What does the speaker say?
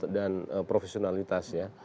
dan profesionalitas ya